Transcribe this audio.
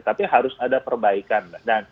tapi harus ada perbaikan